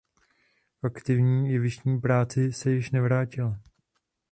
K aktivní jevištní práci se již nevrátila.